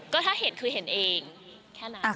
ก็ถ้าเห็นคือเห็นเองแค่นั้น